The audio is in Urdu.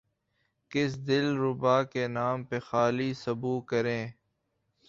کس دل ربا کے نام پہ خالی سبو کریں